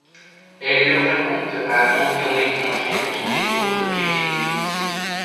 Elle le raconte à un mendiant étranger qui n'est autre qu'Ulysse déguisé.